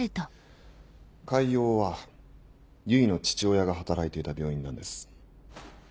海王は唯の父親が働いていた病院なんです。